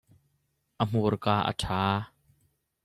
A hmurka a ṭha.